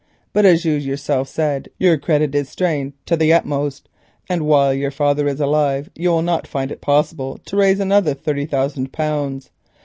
But as you yourself said, your credit is strained to the utmost, and while your father is alive you will not find it possible to raise another thirty thousand pounds.